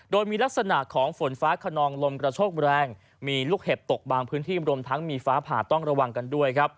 โดยมีลักษณะของฝนฟ้าขนองลมกระโชกแรงมีลูกเห็บตกบางพื้นที่รวมทั้งมีฟ้าผ่าต้องระวังกันด้วยครับ